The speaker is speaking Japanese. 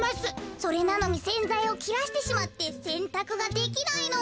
それなのにせんざいをきらしてしまってせんたくができないの。